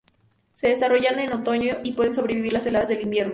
Se desarrollan en otoño y pueden sobrevivir las heladas del invierno.